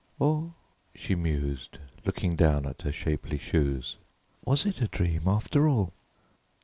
Or," she mused, looking down at her shapely shoes, "was it a dream after all?"